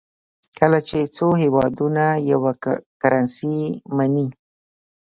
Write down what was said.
کله چې څو هېوادونه یوه کرنسي مني.